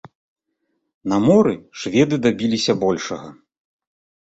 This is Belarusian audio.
На моры шведы дабіліся большага.